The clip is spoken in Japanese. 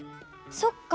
そっか。